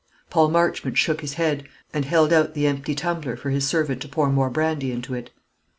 Paul Marchmont shook his head, and held out the empty tumbler for his servant to pour more brandy into it.